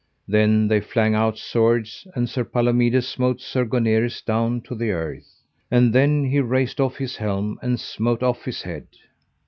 Then they flang out swords, and Sir Palomides smote Sir Goneries down to the earth. And then he raced off his helm and smote off his head.